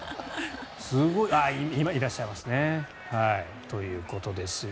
いらっしゃいますね。ということですよ。